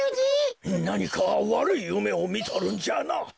なにかわるいゆめをみとるんじゃな。